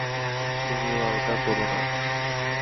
তুমিও আলগা কোরো না।